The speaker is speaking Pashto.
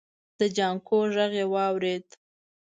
د جانکو غږ يې واورېد.